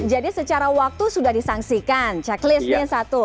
jadi secara waktu sudah disangsikan checklistnya satu